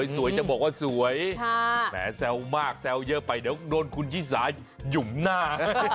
สวยจะบอกว่าสวยแหมแซวมากแซวเยอะไปเดี๋ยวโดนคุณชิสาหยุ่มหน้า